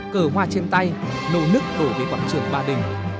cờ hoa trên tay nồ nức đổ về quảng trường ba đình